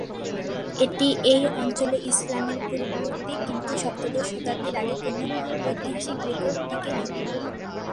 এটি এই অঞ্চলে ইসলামের পূর্ববর্তী, কিন্তু সপ্তদশ শতাব্দীর আগে কোনও ঐতিহাসিক রেকর্ড টিকে নেই।